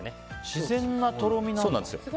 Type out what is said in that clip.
自然なとろみなんですね。